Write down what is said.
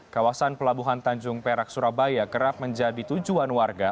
kawasan pelabuhan tanjung perak surabaya kerap menjadi tujuan warga